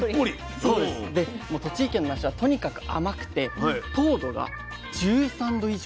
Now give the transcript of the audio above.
で栃木県のなしはとにかく甘くて糖度が１３度以上。